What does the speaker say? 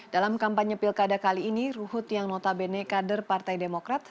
dalam kampanye pilkada kali ini ruhut yang notabene kader partai demokrat